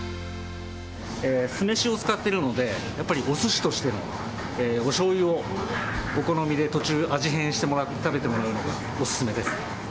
酢飯を使っているので、やっぱりおすしとしてのおしょうゆをお好みで、途中、味変してもらって食べてもらうのがお勧めです。